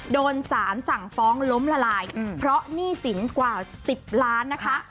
โดนสารสั่งฟ้องล้มละลายเพราะหนี้สินกว่า๑๐ล้านนะคะ